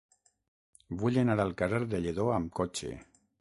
Vull anar al carrer de Lledó amb cotxe.